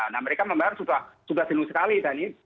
nah mereka memang sudah jenuh sekali dhani